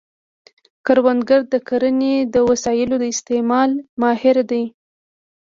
کروندګر د کرنې د وسایلو د استعمال ماهر دی